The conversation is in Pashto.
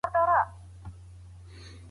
لوستې مور د ماشومانو د ؛خوب کيفيت ښه کوي.